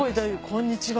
こんにちは！